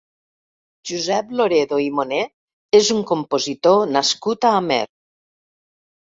Josep Loredo i Moner és un compositor nascut a Amer.